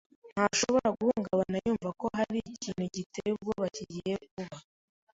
ntashobora guhungabana yumva ko hari ikintu giteye ubwoba kigiye kuba.